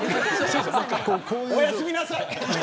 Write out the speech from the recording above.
おやすみなさい。